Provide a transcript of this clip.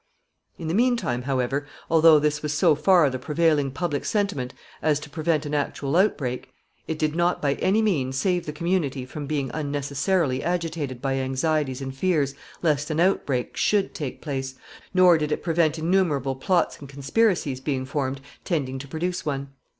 ] In the mean time, however, although this was so far the prevailing public sentiment as to prevent an actual outbreak, it did not by any means save the community from being unnecessarily agitated by anxieties and fears lest an outbreak should take place, nor did it prevent innumerable plots and conspiracies being formed tending to produce one.